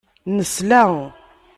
Nesla.